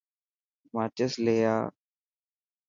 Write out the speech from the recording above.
ماچس لي آءَ.